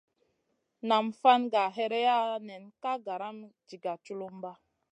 Nam fan gah hèreya nen ka garam diga tchulumba.